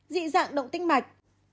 dị dạng động tinh mạch